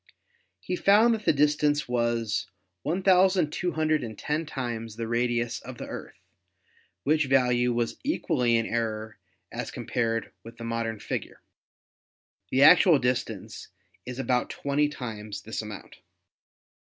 He found that the distance was 1,210 times the radius of the Earth, which value was equally in error as compared with the modern figure. The actual distance is about twenty times this amount.